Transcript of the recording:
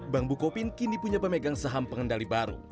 bank bukopin kini punya pemegang saham pengendali baru